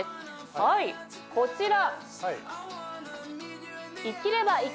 はいこちら。です。